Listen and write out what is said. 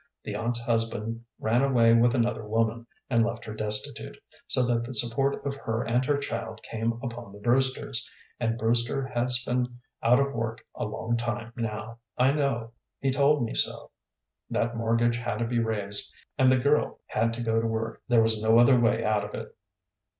The aunt's husband ran away with another woman, and left her destitute, so that the support of her and her child came upon the Brewsters; and Brewster has been out of work a long time now, I know. He told me so. That mortgage had to be raised, and the girl had to go to work; there was no other way out of it."